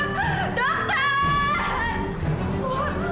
bi bangun ya